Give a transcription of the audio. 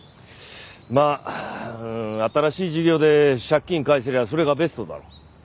まあ新しい事業で借金返せりゃそれがベストだろう。